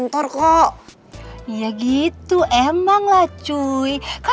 pokoknya papi tenang aja